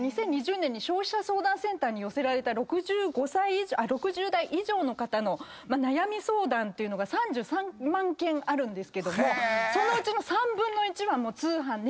２０２０年に消費者相談センターに寄せられた６０代以上の方の悩み相談というのが３３万件あるんですけどもそのうちの３分の１は通販。